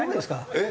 えっ？